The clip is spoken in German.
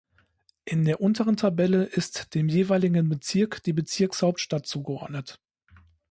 In der unteren Tabelle ist dem jeweiligen Bezirk die Bezirkshauptstadt zugeordnet.